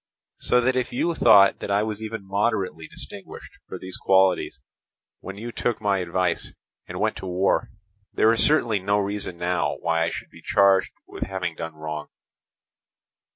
So that if you thought that I was even moderately distinguished for these qualities when you took my advice and went to war, there is certainly no reason now why I should be charged with having done wrong.